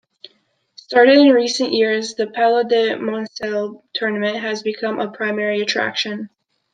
Started in recent years, the "Palio di Monselice" tournament has become a primary attraction.